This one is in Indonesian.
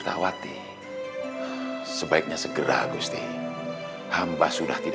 kau jangan khawatir